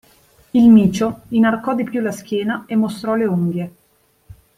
Il micio inarcò di più la schiena e mostrò le unghie.